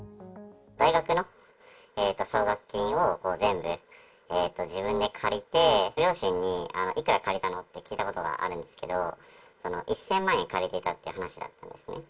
大学の奨学金を全部自分で借りて、両親にいくら借りたの？って聞いたことがあるんですけど、１０００万円借りていたっていう話だったんですね。